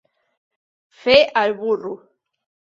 Fer el burro.